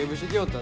た